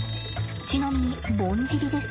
ちなみにぼんじりです。